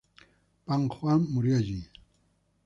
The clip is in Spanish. Pang Juan murió allí.